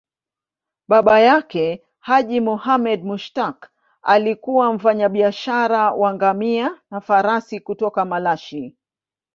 Baba yake, Haji Muhammad Mushtaq, alikuwa mfanyabiashara wa ngamia na farasi kutoka Malashi.